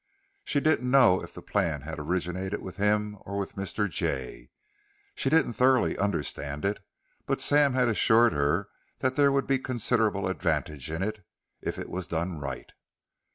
She didn't know if the plan had originated with him or with Mr. Jay. She didn't thoroughly understand it, but Sam had assured her that there would be considerable advantage in it, if it was done right.